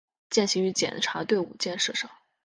践行于检察队伍建设上